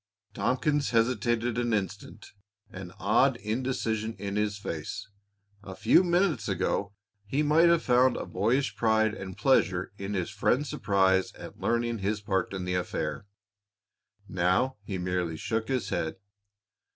Tompkins hesitated an instant, an odd indecision in his face. A few minutes ago he might have found a boyish pride and pleasure in his friend's surprise at learning his part in the affair. Now he merely shook his head.